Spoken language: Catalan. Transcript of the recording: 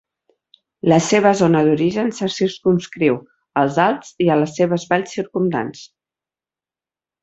La seva zona d'origen se circumscriu als Alps i les seves valls circumdants.